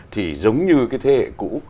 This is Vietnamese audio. thì giống như thế hệ cũ